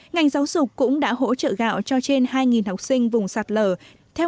ngành giáo dục cũng đã hỗ trợ gạo cho trên hai học sinh vùng sạt lở